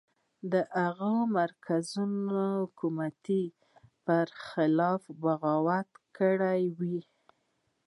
هغه د مرکزي حکومت پر خلاف بغاوت کړی و.